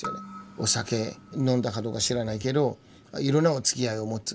お酒飲んだかどうか知らないけどいろんなおつきあいを持つ。